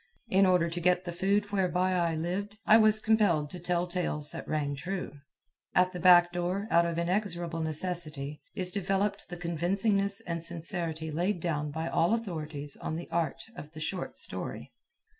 In order to get the food whereby I lived, I was compelled to tell tales that rang true. At the back door, out of inexorable necessity, is developed the convincingness and sincerity laid down by all authorities on the art of the short story.